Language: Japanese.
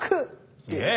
イエイ！